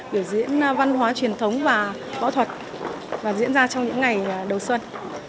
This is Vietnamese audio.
biểu diễn văn hóa truyền thống và võ thuật và diễn ra trong những ngày đầu xuân